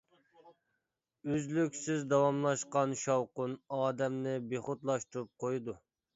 ئۈزلۈكسىز داۋاملاشقان شاۋقۇن ئادەمنى بىخۇدلاشتۇرۇپ قويىدۇ.